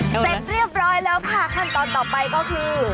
เสร็จเรียบร้อยแล้วค่ะขั้นตอนต่อไปก็คือ